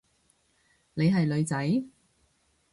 你係女仔？